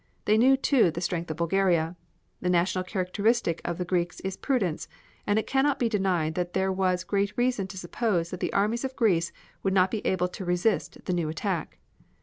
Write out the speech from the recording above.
They knew, too, the strength of Bulgaria. The national characteristic of the Greeks is prudence, and it cannot be denied that there was great reason to suppose that the armies of Greece would not be able to resist the new attack.